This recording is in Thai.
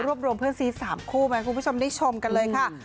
รวมเพื่อนซี๓คู่มาให้คุณผู้ชมได้ชมกันเลยค่ะ